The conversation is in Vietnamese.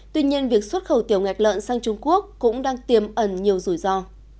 tuy nhiên việc xuất khẩu tiểu ngạch lợn sang trung quốc cũng đang tiềm ẩn nhiều rủi ro